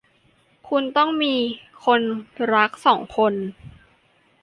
คุณต้องมีคนรักสองคน